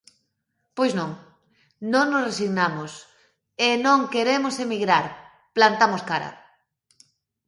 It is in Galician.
Pois non, non nos resignamos e non queremos emigrar, plantamos cara.